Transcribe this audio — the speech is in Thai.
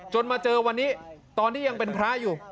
มาเจอวันนี้ตอนที่ยังเป็นพระอยู่